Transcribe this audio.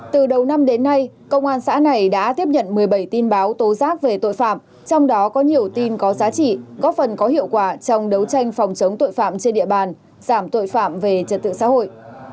từ đầu năm đến nay công an xã này đã tiếp nhận một mươi bảy tin báo tố giác về tội phạm trong đó có nhiều tin có giá trị góp phần có hiệu quả trong đấu tranh phòng chống tội phạm trên địa bàn giảm tội phạm về trật tự xã hội